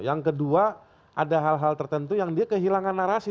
yang kedua ada hal hal tertentu yang dia kehilangan narasi